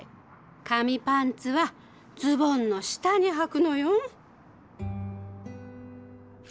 紙パンツはズボンの下にはくのよ。